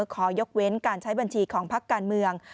ขอยกเว้นการใช้บัญชีของพักการเมือง